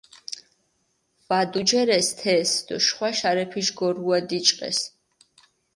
ვადუჯერეს თეს დო შხვა შარეფიში გორუა დიჭყეს.